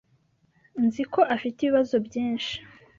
Nzi ko afite ibibazo byinshi.